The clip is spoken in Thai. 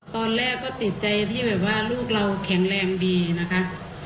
ตอนแรกก็ติดใจที่แบบว่าลูกเราแข็งแรงดีนะคะ